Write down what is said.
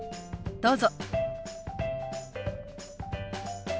どうぞ。